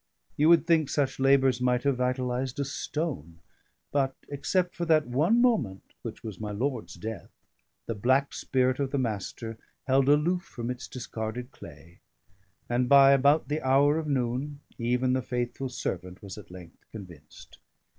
You would think such labours might have vitalised a stone; but, except for that one moment (which was my lord's death), the black spirit of the Master held aloof from its discarded clay; and by about the hour of noon, even the faithful servant was at length convinced.